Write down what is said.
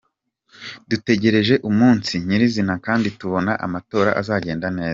Dutegereje umunsi nyirizina kandi tubona amatora azagenda neza.